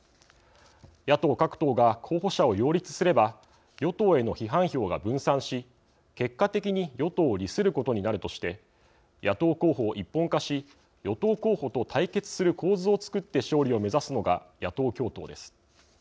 野党各党が候補者を擁立すれば与党への批判票が分散し結果的に与党を利することになるとして野党候補を一本化し与党候補と対決する構図をつくって勝利を目指すのが野党共闘です。